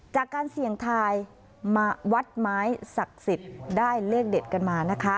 จากการเสี่ยงทายมาวัดไม้ศักดิ์สิทธิ์ได้เลขเด็ดกันมานะคะ